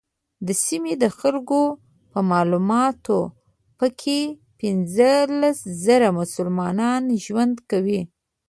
د سیمې د خلکو په معلوماتو په کې پنځلس زره مسلمانان ژوند کوي.